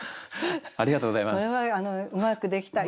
ありがとうございます。